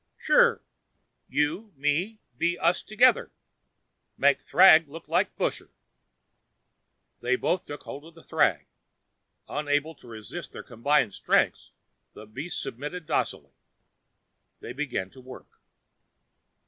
"Sure. You, me be us together. Make thrag look like busher." They both took hold of the thrag. Unable to resist their combined strengths, the beast submitted docilely. They began to work.